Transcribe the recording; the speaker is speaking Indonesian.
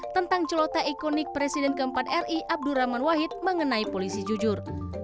tentang celota ikonik presiden keempat ri abdurrahman wahid mengenai polisi jujur